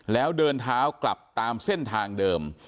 แล้วเดินเท้ากลับตามเส้นทางเดิม